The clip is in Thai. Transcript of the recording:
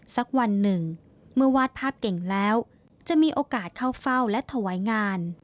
สักวันหนึ่งเมื่อวาดภาพเก่งแล้วจะมีโอกาสเข้าเฝ้าและถวายงาน